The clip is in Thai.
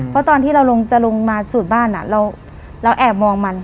เพราะตอนที่เราจะลงมาสูดบ้านเราแอบมองมัน